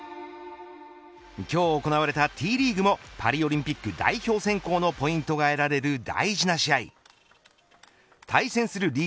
今日行われたＴリーグもパリオリンピック代表選考のポイントが得られる大事な試合対戦するリ・